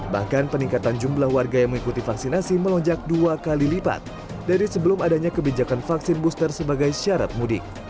bahkan peningkatan jumlah warga yang mengikuti vaksinasi melonjak dua kali lipat dari sebelum adanya kebijakan vaksin booster sebagai syarat mudik